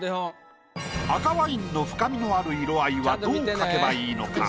赤ワインの深みのある色合いはどう描けばいいのか？